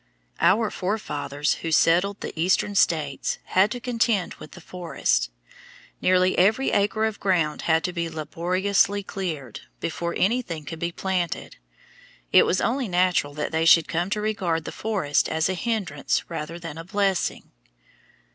Our forefathers who settled the Eastern states had to contend with the forests. Nearly every acre of ground had to be laboriously cleared before anything could be planted. It was only natural that they should come to regard the forests as a hindrance rather than a blessing.